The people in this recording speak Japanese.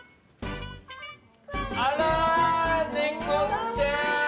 あら！ネコちゃん！